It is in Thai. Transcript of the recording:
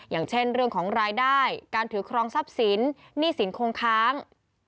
อย่างเช่นเรื่องของรายได้การถือครองทรัพย์สินหนี้สินคงค้าง